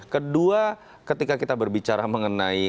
kedua ketika kita berbicara mengenai